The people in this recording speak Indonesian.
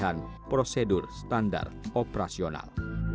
dari perlatian prosedur standar operasional